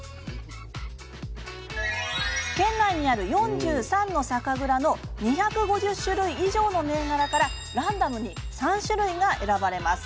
県内にある４３の酒蔵の２５０種類以上の銘柄からランダムに３種類が選ばれます。